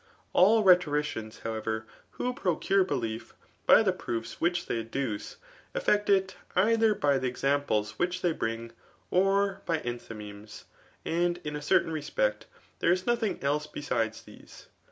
AU [rho torioians], however, who procura bdief by die proo6 Ishkh they adduce, eflfikt it, oAer by the esaniplcs which ibey bring, or by endiymemes ; and in a certain respect, there is, notiung else besides these.